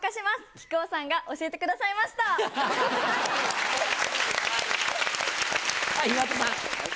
木久扇さんが教えてくださいまし岩田さん。